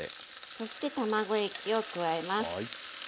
そして卵液を加えます。